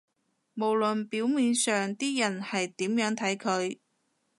無論表面上啲人係點樣睇佢